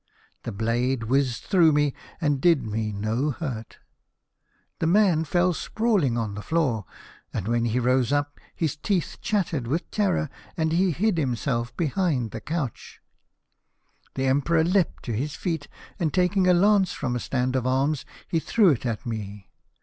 The blade whizzed through me, and did me no hurt. The man fell sprawling on the floor, and, when he rose up, his teeth chattered with terror and he hid himself behind the couch. " The Emperor leapt to his feet, and taking a lance from a stand of arms, he threw it at me.